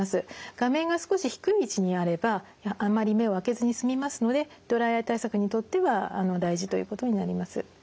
画面が少し低い位置にあればあまり目を開けずに済みますのでドライアイ対策にとっては大事ということになります。